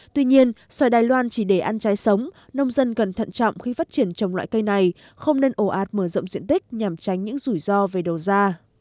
tuy nhiên xoài đài loan chỉ để ăn trái sống nông dân cần thận trọng khi phát triển trồng loại cây này không nên ổ ạt mở rộng diện tích nhằm tránh những rủi ro về đầu ra